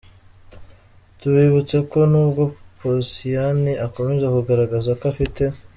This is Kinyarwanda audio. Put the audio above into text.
Tubibutse ko nubwo Posiyani akomeza kugaragaza ko afite.